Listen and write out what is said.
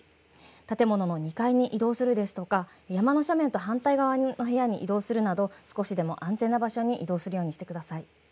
建物の２階に移動するですとか山の斜面と反対側のお部屋に移動するなど少しでも安全な場所に移動するようにしてください。